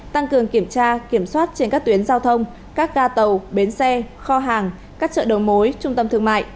tăng cường kiểm tra kiểm soát trên các tuyến giao thông các ga tàu bến xe kho hàng các chợ đầu mối trung tâm thương mại